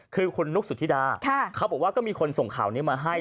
คือคุณนุกสุธิดาเขาบอกว่าก็มีคนส่งข่าวนี้มาให้